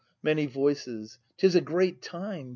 Many Voices. 'Tis a great Time!